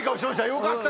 よかった！